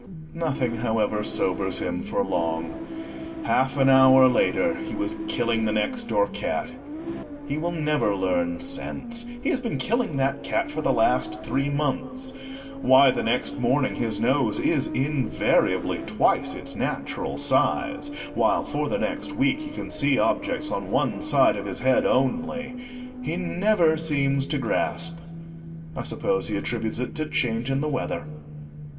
Nothing, however, sobers him for long. Half an hour later, he was killing the next door cat. He will never learn sense; he has been killing that cat for the last three months. Why the next morning his nose is invariably twice its natural size, while for the next week he can see objects on one side of his head only, he never seems to grasp; I suppose he attributes it to change in the weather.